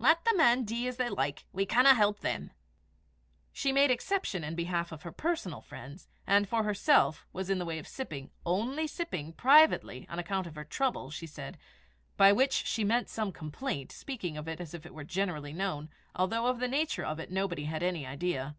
Lat the men dee as they like, we canna help them." She made exception in behalf of her personal friends; and, for herself, was in the way of sipping only sipping privately, on account of her "trouble," she said by which she meant some complaint, speaking of it as if it were generally known, although of the nature of it nobody had an idea.